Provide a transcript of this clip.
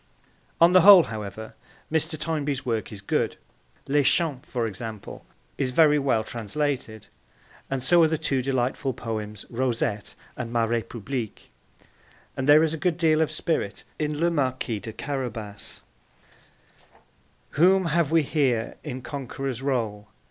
On the whole, however, Mr. Toynbee's work is good; Les Champs, for example, is very well translated, and so are the two delightful poems Rosette and Ma Republique; and there is a good deal of spirit in Le Marquis de Carabas: Whom have we here in conqueror's role?